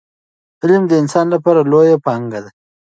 علم د انسان لپاره لویه پانګه ده.